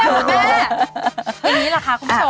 อย่างนี้ล่ะครับคุณผู้ชม